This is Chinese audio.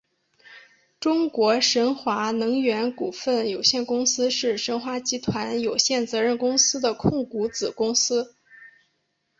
中国神华能源股份有限公司是神华集团有限责任公司的控股子公司。